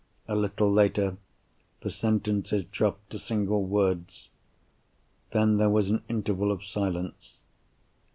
A little later, the sentences dropped to single words. Then, there was an interval of silence.